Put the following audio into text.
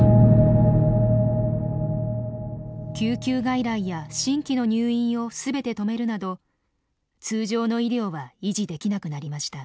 救急外来や新規の入院を全て止めるなど通常の医療は維持できなくなりました。